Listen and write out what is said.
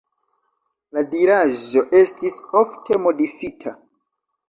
La diraĵo estis ofte modifita.